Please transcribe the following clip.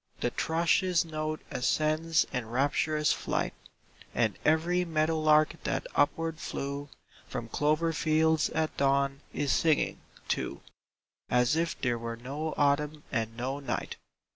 The thrush's note ascends in rapturous flight, And every meadow lark that upward flew From clover fields at dawn is singing, too, As if there were no Autumn and no night.